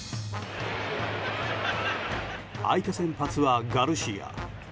相手先発はガルシア。